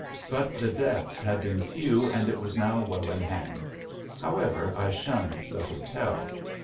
But the deaths had been few and it was now well in hand. However, I shunned the hotel.